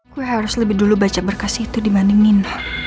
gue harus lebih dulu baca berkas itu dibandingin